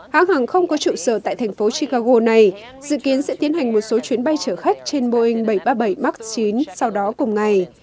hãng hàng không có trụ sở tại thành phố chicago này dự kiến sẽ tiến hành một số chuyến bay chở khách trên boeing bảy trăm ba mươi bảy max chín sau đó cùng ngày